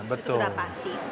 itu sudah pasti